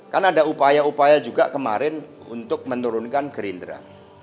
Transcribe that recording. kan ada upaya upaya juga kemarin untuk menurunkan gerindra